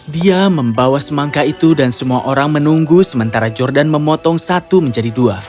dia membawa semangka itu dan semua orang menunggu sementara jordan memotong satu menjadi dua